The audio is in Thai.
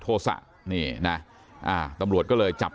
ท่านดูเหตุการณ์ก่อนนะครับ